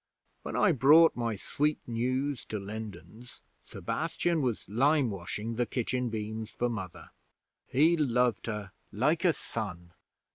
'When I brought my sweet news to Lindens, Sebastian was limewashing the kitchen beams for Mother. He loved her like a son.